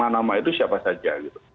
tujuh puluh lima nama itu siapa saja gitu